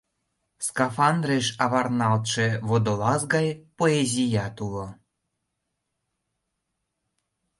Скафандреш авырналтше водолаз гай поэзият уло.